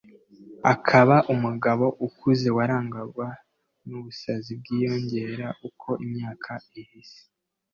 akaba umugabo ukuze, warangwaga n'ubusazi bwiyongeraga uko imyaka ihise